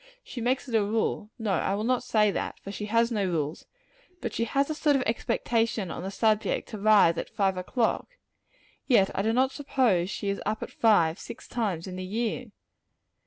She makes it a rule no, I will not say that, for she has no rules, but she has a sort of expectation on the subject to rise at five o'clock. Yet I do not suppose she is up at five, six times in the year.